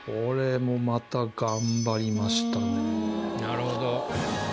なるほど。